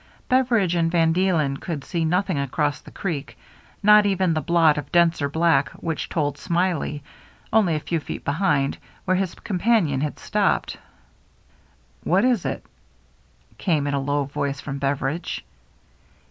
Beveridge and Van Deelen could see nothing across the creek, not even the blot of denser black which told Smiley, only a few feet behind, where his com panion had stopped. " What is it ?" came in a low voice from Beveridge.